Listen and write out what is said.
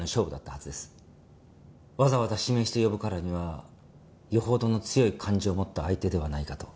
わざわざ指名して呼ぶからにはよほどの強い感情を持った相手ではないかと。